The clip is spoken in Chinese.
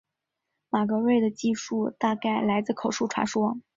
马格瑞的记述大概来自口述传说。